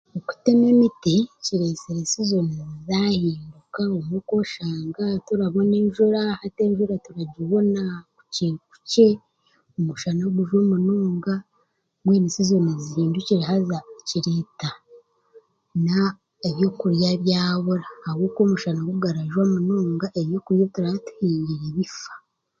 Okutema emiti kireesire sizoni zaahinduka obumwe okooshanga turabona enjura hati enjura turikugibona kukyekukye omushana gujwe munonga mbwenu sizoni ibiri zihindukire haza kireeta n'ebyokurya byabura ahakuba omushana ku gurikujwa munonga ebyokurya ebituraatuhingire bifa.